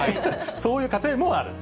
そういう家庭もある。